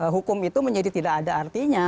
hukum itu menjadi tidak ada artinya